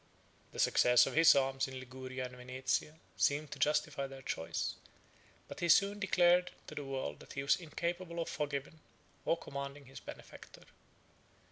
The success of his arms in Liguria and Venetia seemed to justify their choice; but he soon declared to the world that he was incapable of forgiving or commanding his benefactor.